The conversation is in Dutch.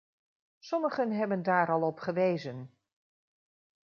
Sommigen hebben daar al op gewezen.